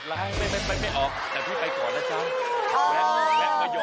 สดลาไม่ไปไม่ออกแต่พี่ไปก่อนนะจ๊ะ